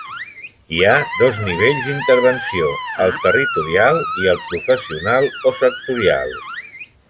Hi ha dos nivells d'intervenció: el territorial i el professional o sectorial.